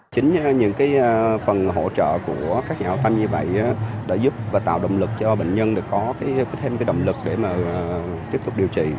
chính những phần hỗ trợ của các nhà hảo tâm như vậy đã giúp và tạo động lực cho bệnh nhân có thêm động lực để tiếp tục điều trị